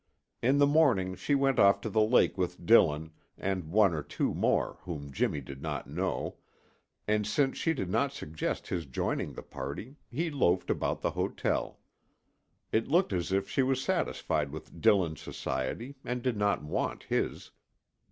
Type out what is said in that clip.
In the morning she went off to the lake with Dillon and one or two more whom Jimmy did not know, and since she did not suggest his joining the party, he loafed about the hotel. It looked as if she was satisfied with Dillon's society and did not want his.